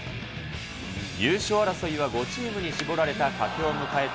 優勝争いは５チームに絞られた佳境を迎えた